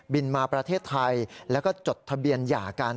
มาประเทศไทยแล้วก็จดทะเบียนหย่ากัน